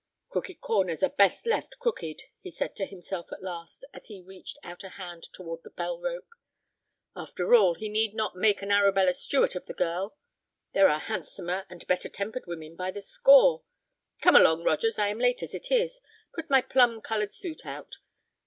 "Crooked corners are best left crooked," he said to himself, at last, as he reached out a hand toward the bell rope. "After all, he need not make an Arabella Stewart of the girl; there are handsomer and better tempered women by the score.—Come along, Rogers; I am late as it is. Put my plum colored suit out.